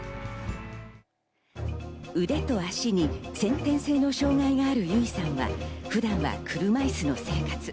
腕と足に先天性の障害がある由依さんは普段は車いすの生活。